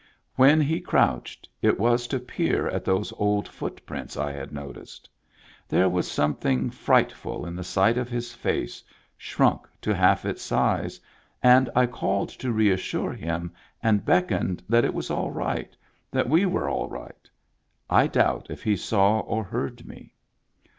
When he crouched, it was to peer at those old foot prints I had noticed. There was something frightful in the sight of his face, shrunk to half its size, and I called to reassure him, and beck oned that it was all right, that we were all right I doubt if he saw or heard me.